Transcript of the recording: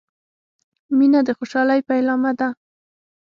• مینه د خوشحالۍ پیلامه ده.